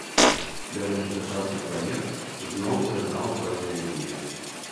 Да гэтага часу праект зноў зазнаў пэўныя змены.